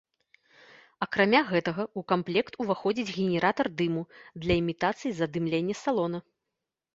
Акрамя гэтага ў камплект уваходзіць генератар дыму для імітацыі задымлення салона.